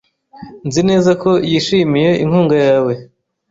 Nzi neza ko yishimiye inkunga yawe.